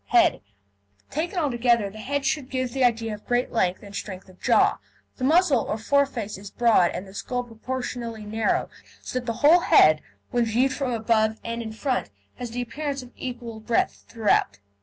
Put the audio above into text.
HEAD Taken altogether, the head should give the idea of great length and strength of jaw. The muzzle, or foreface, is broad, and the skull proportionately narrow, so that the whole head, when viewed from above and in front, has the appearance of equal breadth throughout.